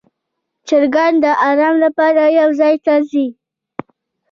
چرګان د آرام لپاره یو ځای ته ځي.